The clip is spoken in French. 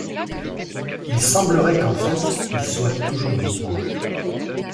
Il semblerait qu’en fait il soit toujours vivant…